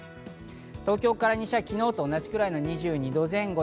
東京から西は昨日と同じくらい、２２度前後。